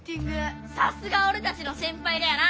さすがおれたちの先輩だよな！